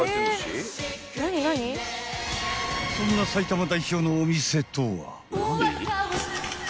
［そんな埼玉代表のお店とは？］